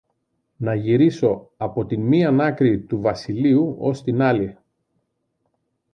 να γυρίσω από τη μίαν άκρη του βασιλείου ως την άλλη